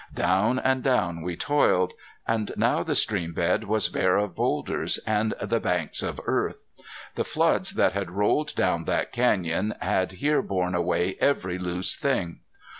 Down and down we toiled. And now the stream bed was bare of boulders and the banks of earth. The floods that had rolled down that canyon had here borne away every loose thing.